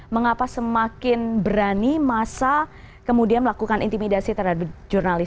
mengapa semakin berani masa kemudian melakukan intimidasi terhadap jurnalis